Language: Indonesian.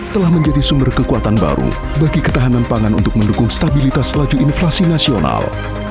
telah menjadi sumber kekuatan baru bagi ketahanan pangan untuk mendukung stabilitas laju inflasi nasional